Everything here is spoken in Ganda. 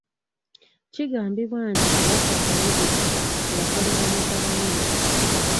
Kigambibwa nti Kabaka Daudi Chwa yakolera mutabani we.